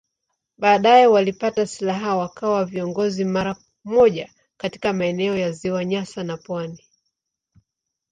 Baadaye walipata silaha wakawa viongozi mara moja katika maeneo ya Ziwa Nyasa na pwani.